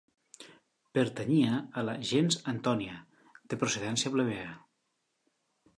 Pertanyia a la Gens Antònia, de procedència plebea.